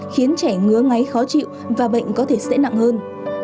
khiến trẻ ngứa ngáy khó chịu và bệnh có thể sẽ nặng hơn